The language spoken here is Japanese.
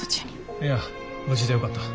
いや無事でよかった。